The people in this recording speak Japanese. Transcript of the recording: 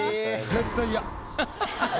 絶対嫌。